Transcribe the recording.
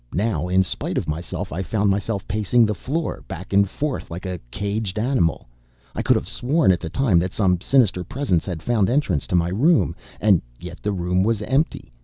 Now, in spite of myself, I found myself pacing the floor, back and forth like a caged animal. I could have sworn, at the time, that some sinister presence had found entrance to my room. Yet the room was empty.